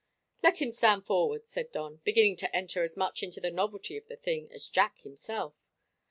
"Let him stand forward," said Don, beginning to enter as much into the novelty of the thing as Jack himself.